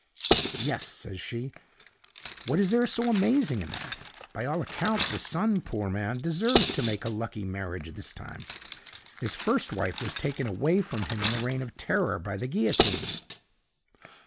"'Yes,' says she. 'What is there so amazing in that? By all accounts, the son, poor man, deserves to make a lucky marriage this time. His first wife was taken away from him in the Reign of Terror by the guillotine.